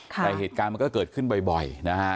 แต่เหตุการณ์มันก็เกิดขึ้นบ่อยนะฮะ